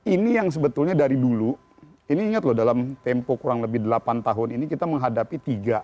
ini yang sebetulnya dari dulu ini ingat loh dalam tempo kurang lebih delapan tahun ini kita menghadapi tiga